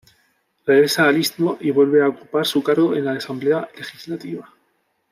Regresa al Istmo y vuelve a ocupar su cargo en La Asamblea Legislativa.